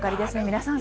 皆さん